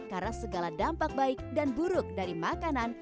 karena segala dampak baik dan buruk dari makanan